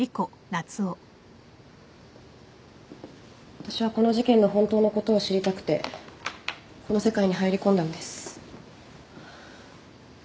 私はこの事件の本当のことを知りたくてこの世界に入り込んだんです。